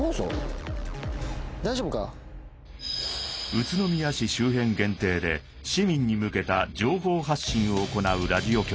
宇都宮市周辺限定で市民に向けた情報発信を行うラジオ局